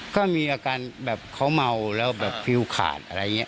ก็มีอาการแบบเขาเมาแล้วแบบฟิวขาดอะไรอย่างนี้